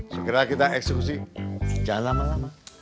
segera kita eksekusi jangan lama lama